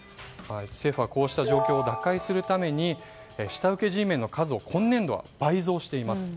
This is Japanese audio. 政府はこうした状況を打開するために下請けＧメンの数を今年度、倍増させています。